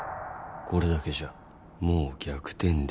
これだけじゃもう逆転できない。